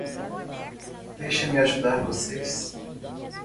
Deixe-me ajudar vocês.